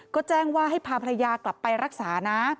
ก็แจ้งว่าให้พาภรรยากลับไปรักษานะ